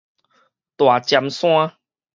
大尖山